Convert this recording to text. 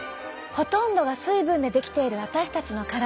ほとんどが水分で出来ている私たちの体。